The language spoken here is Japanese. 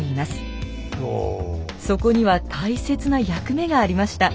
そこには大切な役目がありました。